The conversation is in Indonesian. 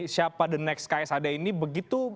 siapa the next ksad ini begitu